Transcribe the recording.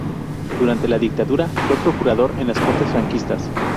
Durante la dictadura fue procurador en las Cortes franquistas.